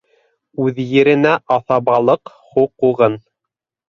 —Үҙ еренә аҫабалыҡ хоҡуғын.